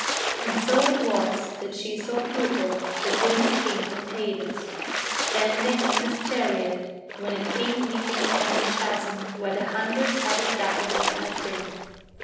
And so it was that she saw Pluto, the grim King of Hades, standing in his chariot when it came leaping from the chasm where the Hundred Headed Daffodil had been.